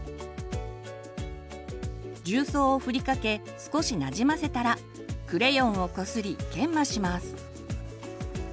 重曹をふりかけ少しなじませたらクレヨンをこすり研磨します。